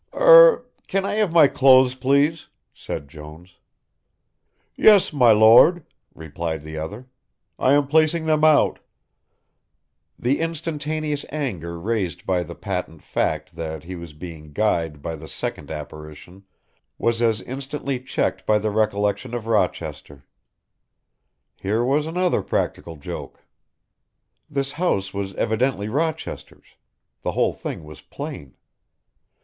"Er can I have my clothes, please?" said Jones. "Yes, my Lord," replied the other. "I am placing them out." The instantaneous anger raised by the patent fact that he was being guyed by the second apparition was as instantly checked by the recollection of Rochester. Here was another practical joke. This house was evidently Rochester's the whole thing was plain.